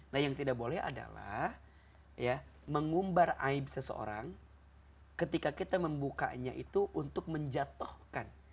nah yang tidak boleh adalah ya mengumbar aib seseorang ketika kita membukanya itu untuk menjatuhkan